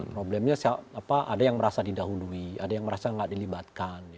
problemnya ada yang merasa didahului ada yang merasa nggak dilibatkan